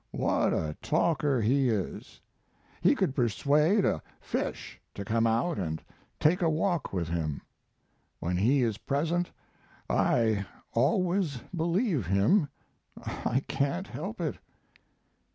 What a talker he is! He could persuade a fish to come out and take a walk with him. When he is present I always believe him; I can't help it.